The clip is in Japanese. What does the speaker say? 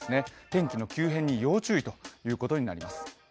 天気の急変に要注意ということになります。